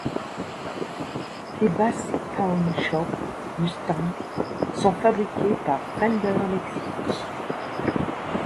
Les basses Pawn Shop Mustang sont fabriquées par Fender Mexique.